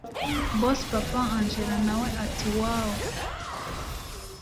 boss papa angella nawe ati wooww